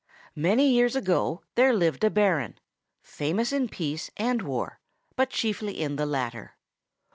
Many years ago there lived a Baron, famous in peace and war, but chiefly in the latter.